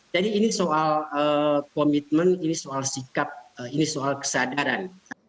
jadi ini soal komitmen ini soal sikap ini soal kesadaran